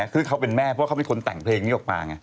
คือเขาเป็นแม่เพราะเขาไม่ค้นแต่งเพลงนี้ออกมา